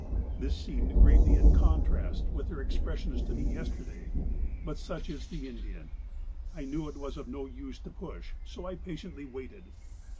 "This seemed greatly in contrast with their expressions to me yesterday, but such is the Indian. I knew it was of no use to push, so I patiently waited.